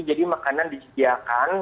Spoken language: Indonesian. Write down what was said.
jadi makanan disediakan